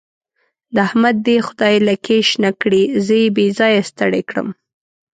د احمد دې خدای لکۍ شنه کړي؛ زه يې بې ځايه ستړی کړم.